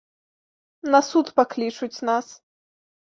На суд паклічуць нас.